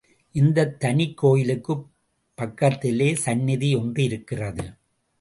இந்தத் தனிக் கோயிலுக்குப் பக்கத்திலே சந்நிதி ஒன்றிருக்கிறது.